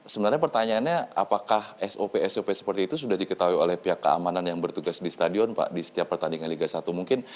sebenarnya pertanyaannya apakah sop sop seperti itu sudah diketahui oleh pihak keamanan yang bertugas di stadion pak di setiap pertandingan liga satu mungkin